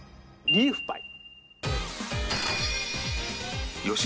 リーフパイ。